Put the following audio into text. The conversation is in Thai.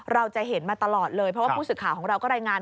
เราจะเห็นมาตลอดเลยเพราะว่าผู้สื่อข่าวของเราก็รายงาน